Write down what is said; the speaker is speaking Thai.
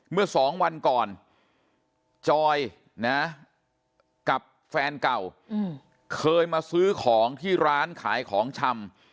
เมื่อสองวันก่อนจอยนะกับแฟนเก่าเคยมาซื้อของที่ร้านขายของชำ